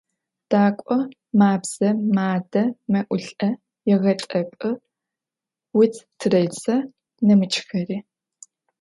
«Дакӏо» – мабзэ, мадэ, мэӏулӏэ, егъэтӏэпӏы, ут тыредзэ, нэмыкӏхэри.